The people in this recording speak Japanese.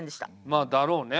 まあだろうね。